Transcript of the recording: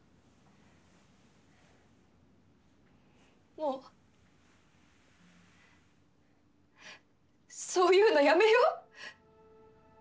もうそういうのやめよう？